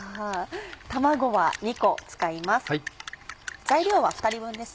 卵は２個使います